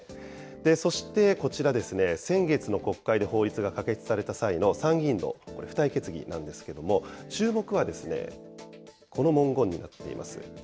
そしてこちら、先月の国会で法律が可決された際の参議院の付帯決議なんですけれども、注目はこの文言になっています。